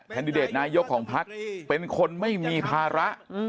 แดดิเดตนายกของพักเป็นคนไม่มีภาระ